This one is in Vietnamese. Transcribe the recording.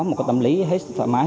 một tâm lý hết sức thoải mái